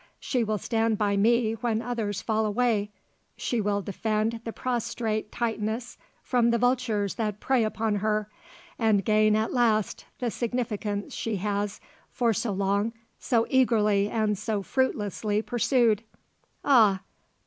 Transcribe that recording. She will stand by me when others fall away. She will defend the prostrate Titaness from the vultures that prey upon her and gain at last the significance she has, for so long, so eagerly and so fruitlessly pursued. Ah!